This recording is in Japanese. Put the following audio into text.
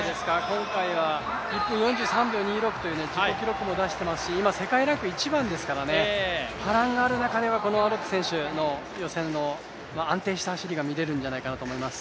今季は１分４３秒２６という自己記録も出していますし、今世界ランク１番ですから波乱がある中ではアロップ選手の予選で安定した走りが見られるんじゃないかなと思います。